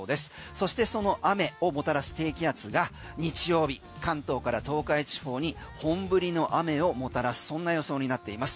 そして、その雨をもたらす低気圧が日曜日関東から東海地方に本降りの雨をもたらすそんな予想になっています。